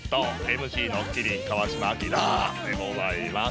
ＭＣの麒麟川島明でございます。